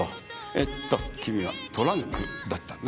えっと君はトランクだったね？